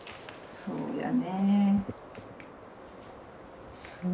そうやね。